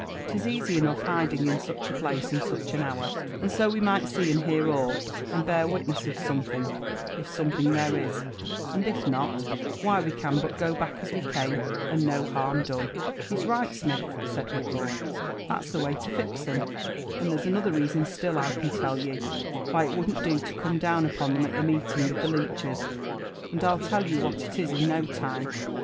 'Tiseasy enough hiding in sut;h a place and such an hour ; and so we might see and hear all, and bear witness of something, if something there is ; and if not, why we can but go back as we came, and no harm done." '* He's right, Smith," said Whitlaw; *' that's the way to fix 'em. And there's another reason still, I can tell ye, why it wouldn't do to come down upon 'em at the meeting with the Lynchers; and Fll tell you what it is in no time.